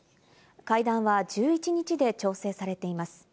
会談は１１日で調整されています。